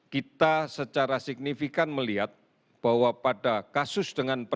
kita secara signifikan melihat bahwa pada kasus dengan